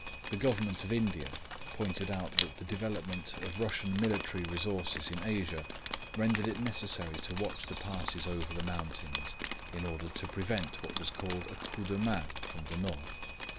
The Government of India pointed out that the development of Russian military resources in Asia rendered it necessary to watch the passes over the mountains, in order to prevent what was called a coup de main from the north.